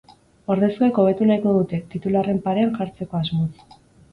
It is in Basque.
Ordezkoek hobetu nahiko dute, titularren parean jartzeko asmoz.